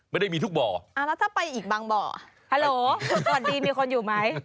ไม่ได้มีทุกบ่ออ่าแล้วถ้าไปอีกบางบ่อฮัลโหลสวัสดีมีคนอยู่ไหม